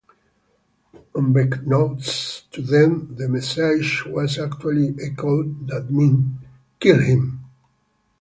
Unbeknownst to them, the message was actually a code that meant "Kill him!".